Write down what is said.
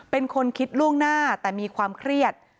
เป็นคนคิดล่วงหน้าแต่มีความเครียด